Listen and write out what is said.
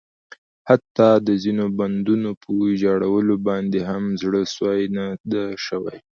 حتٰی د ځینو بندونو په ویجاړولو باندې هم زړه سوی نه ده شوی.